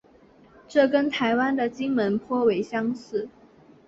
这跟台湾的金门颇为相似。